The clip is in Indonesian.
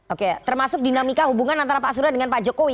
oke termasuk dinamika hubungan antara pak surya dengan pak jokowi